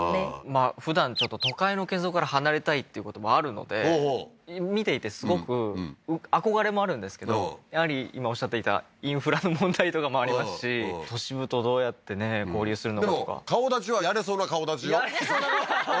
まあふだんちょっと都会のけん騒から離れたいっていうこともあるのでほうほう見ていてすごく憧れもあるんですけどやはり今おっしゃっていたインフラの問題とかもありますし都市部とどうやってね交流するのかとかでも顔だちはやれそうな顔だちよやれそうな顔？